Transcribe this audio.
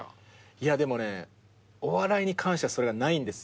いやでもねお笑いに関してはそれがないんですよ。